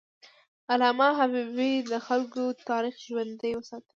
علامه حبیبي د خلکو تاریخ ژوندی وساته.